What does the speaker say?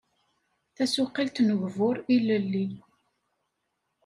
Tasuqilt n ugbur ilelli.